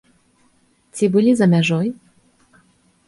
Ці былі за мяжой?